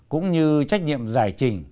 cũng như trách nhiệm giải trình